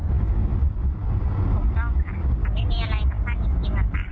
ถูกต้องค่ะไม่มีอะไรกับข้าวกินนะคะ